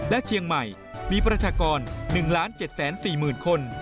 และเชียงใหม่มีประชากร๑๗๔๐๐๐คน